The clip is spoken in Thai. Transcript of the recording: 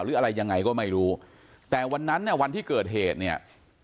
หรืออะไรยังไงก็ไม่รู้แต่วันนั้นเนี่ยวันที่เกิดเหตุเนี่ย